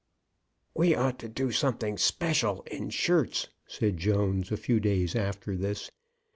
"We ought to do something special in shirts," said Jones, a few days after this.